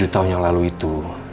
tujuh tahun yang lalu itu